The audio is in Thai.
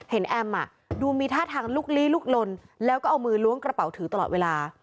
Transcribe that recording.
แอมดูมีท่าทางลุกลี้ลุกลนแล้วก็เอามือล้วงกระเป๋าถือตลอดเวลา